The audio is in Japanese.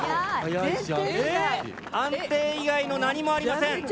安定以外の何もありません。